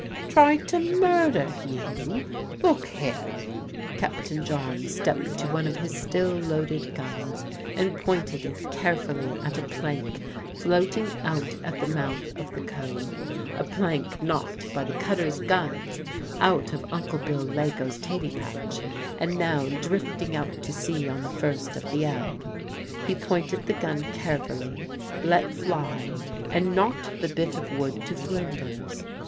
"Tried to murder you? Look here." Captain John stepped to one of his still loaded guns and pointed it carefully at a plank floating out at the mouth of the Cove a plank knocked by the cutter's guns out of Uncle Bill Leggo's 'taty patch, and now drifting out to sea on the first of the ebb. He pointed the gun carefully, let fly, and knocked the bit of wood to flinders.